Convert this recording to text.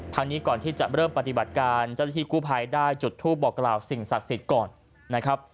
ทางนี้ก่อนที่จะเริ่มปฏิบัติการเจ้าหน้าที่กู้ภัยได้จุดทูปบอกกล่าวสิ่งศักดิ์สิทธิ์ก่อนนะครับ